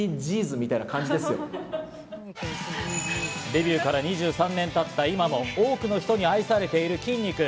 デビューから２３年たった今も、多くの人に愛されている、きんに君。